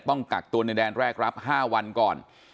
ต้องกักตัวในแดนแรกรับ๕วันก่อน